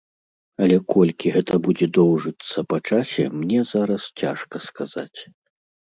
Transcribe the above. Але колькі гэта будзе доўжыцца па часе, мне зараз цяжка сказаць.